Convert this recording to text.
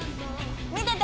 見てて！